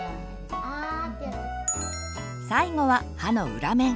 最後は歯の裏面。